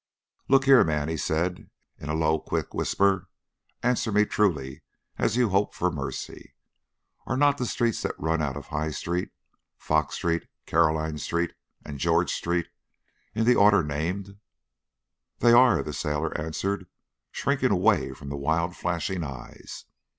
"Look here, man," he said, in a low quick whisper. "Answer me truly as you hope for mercy. Are not the streets that run out of the High Street, Fox Street, Caroline Street, and George Street, in the order named?" "They are," the sailor answered, shrinking away from the wild flashing eyes.